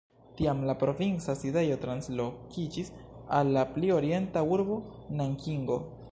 Tiam la provinca sidejo translokiĝis al la pli orienta urbo Nankingo.